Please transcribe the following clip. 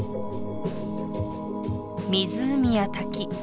湖や滝